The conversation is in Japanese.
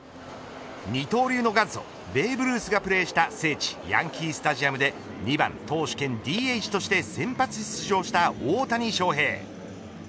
二刀流の元祖ベーブルースがプレーした聖地ヤンキースタジアムで２番投手兼ＤＨとして先発出場した大谷翔平。